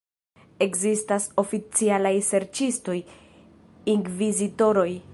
Ekzistas oficialaj serĉistoj, inkvizitoroj.